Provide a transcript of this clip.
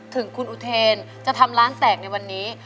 ถึงคุณอุเทนจะทำร้านแตกในวันนี้